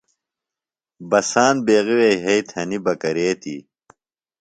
بساند بیغیۡ وے یھئی تھنیۡ بہ کرے تی؟